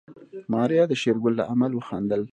ماريا د شېرګل له عمل وخندل.